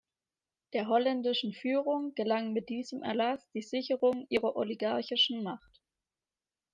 Der holländischen Führung gelang mit diesem Erlass die Sicherung ihrer oligarchischen Macht.